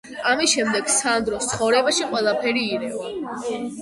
ამის შემდეგ სანდროს ცხოვრებაში ყველაფერი ირევა.